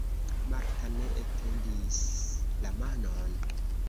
Marta ne etendis la manon.